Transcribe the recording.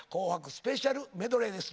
スペシャルメドレーです。